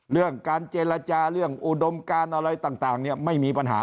เรื่องการเจรจาเรื่องอุดมการอะไรต่างไม่มีปัญหา